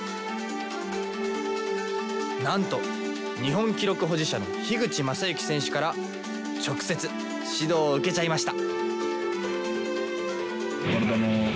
なんと日本記録保持者の口政幸選手から直接指導を受けちゃいました！